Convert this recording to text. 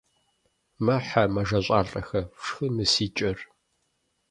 Мэ, хьэ мэжэщӀалӀэхэ, фшхы мы си кӀэр.